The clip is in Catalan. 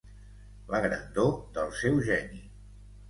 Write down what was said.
La grandor del seu geni.